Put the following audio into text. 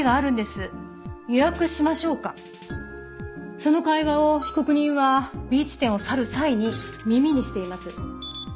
その会話を被告人はＢ地点を去る際に耳にしています。